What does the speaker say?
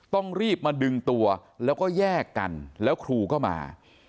ต้องรีบมาดึงตัวแล้วก็แยกกันแล้วครูก็มา